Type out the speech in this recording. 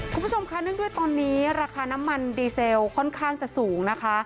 คุณผู้ชมค่ะเนื่องด้วยตอนนี้ราคาน้ำมันดีเซลค่อนข้างจะสูงนะคะ